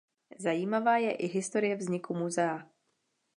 Zajímavá je i historie vzniku muzea.